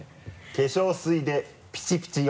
「化粧水でピチピチよ」